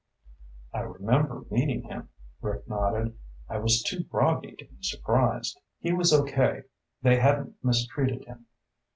"I remember meeting him," Rick nodded. "I was too groggy to be surprised." "He was okay. They hadn't mistreated him.